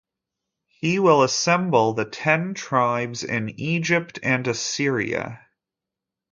He will assemble the ten tribes in Egypt and Assyria.